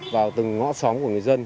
vào từng ngõ xóm của người dân